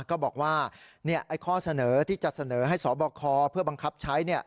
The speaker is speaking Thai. ก็บอกว่าข้อเสนอที่จะเสนอให้สบคเพื่อบังคับใช้